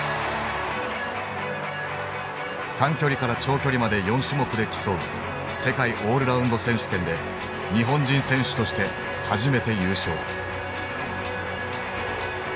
短距離から長距離まで４種目で競う世界オールラウンド選手権で日本人選手として初めて優勝。